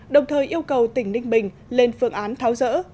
đồng thời yêu cầu tỉnh ninh bình lên phương án tháo rỡ